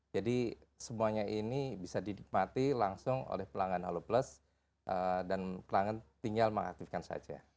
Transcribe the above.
jadi semuanya ini bisa didikmati langsung oleh pelanggan halo plus dan pelanggan tinggal mengaktifkan saja